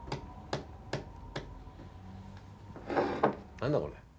何だこれ。